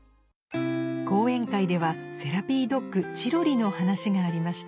講演会ではセラピードッグチロリの話がありました